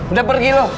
udah pergi lu